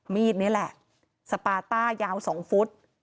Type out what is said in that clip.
มีดนี่แหละสปาต้ายาว๒ฟุต